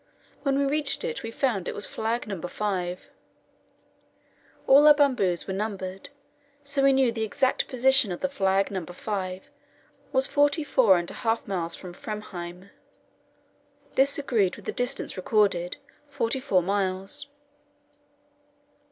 When we reached it, we found it was flag No. 5 all our bamboos were numbered, so we knew the exact position of the flag. No. 5 was forty four and a half miles from Framheim. This agreed well with the distance recorded forty four miles.